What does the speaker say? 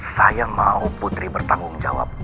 saya mau putri bertanggung jawab